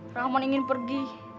rahman ingin pergi